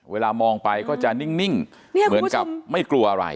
เวลามองไปก็จะนิ่งเหมือนกับไม่กลัวอะไร